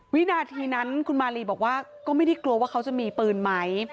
วินาทีนั้นคุณมาลีบอกว่าก็ไม่ได้กลัวว่าเขาจะมีปืนไหม